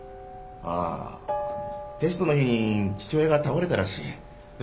ああテストの日に父親が倒れたらしい。